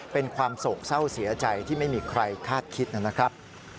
เป็นความโศกเศร้าเสียใจที่ไม่มีใครคาดคิดนะครับ